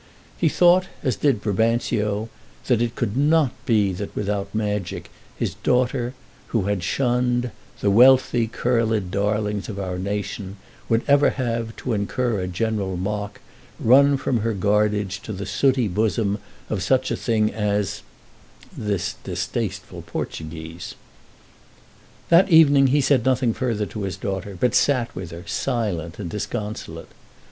He thought as did Brabantio, that it could not be that without magic his daughter who had shunned "The wealthy curled darlings of our nation, Would ever have, to incur a general mock, Run from her guardage to the sooty bosom Of such a thing as" this distasteful Portuguese. That evening he said nothing further to his daughter, but sat with her, silent and disconsolate.